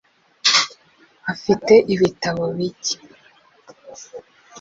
Afite ibitabo bike .